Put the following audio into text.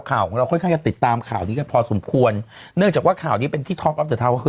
ข่าวของเราค่อยจะติดตามข่าวนี้ก็พอสมควรเนื่องจากว่าข่าวนี้เป็นที่ทอล์กอล์ฟเตอร์เท้า